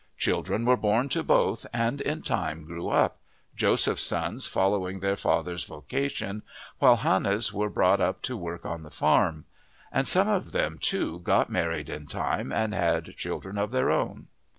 Children were born to both, and in time grew up, Joseph's sons following their father's vocation, while Hannah's were brought up to work on the farm. And some of them, too, got married in time and had children of their own.